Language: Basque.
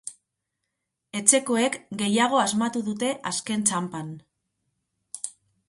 Etxekoek gehiago asmatu dute azken txanpan.